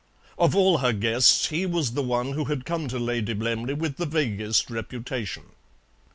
Of all her guests, he was the one who had come to Lady Blemley with the vaguest reputation.